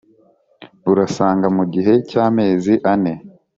urasanga mu gihe cy’amezi ane